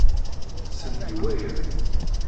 Sel-d i waya!